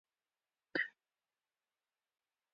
آمو سیند د افغانانو د ګټورتیا برخه ده.